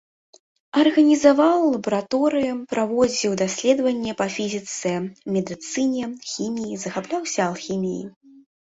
Арганізаваў лабараторыі, праводзіў даследаванні па фізіцы, медыцыне, хіміі, захапляўся алхіміяй.